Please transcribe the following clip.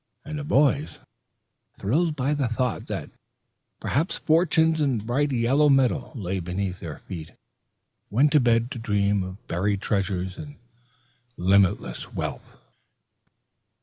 And the boys, thrilled by the thought that perhaps fortunes in the bright yellow metal lay beneath their feet, went to bed to dream of buried treasures and limitless wealth.